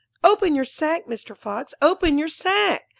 'Open your sack, Mr. Fox! open your sack!'